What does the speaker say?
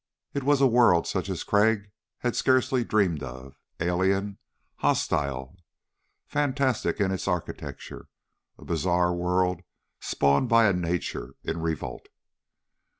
It was a world such as Crag had scarcely dreamed of alien, hostile, fantastic in its architecture a bizarre world spawned by a nature in revolt.